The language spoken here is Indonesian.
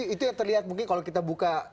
itu yang terlihat mungkin kalau kita buka